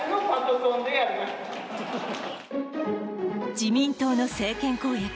自民党の政権公約